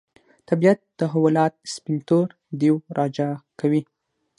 طبیعت تحولات سپین تور دېو راجع کوي.